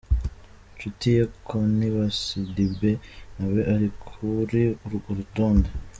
Inshuti ye, Koniba Sidibé, nawe ari kuri urwo rutonde.